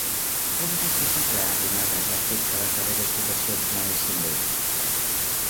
Com justifica Arrimadas el fet que les darreres votacions no anessin bé?